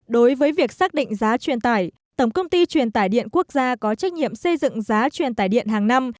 đối với việc xác định giá truyền tải tổng công ty truyền tải điện quốc gia có trách nhiệm xây dựng giá truyền tải điện hàng năm